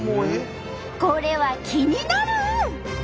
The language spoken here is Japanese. これは気になる！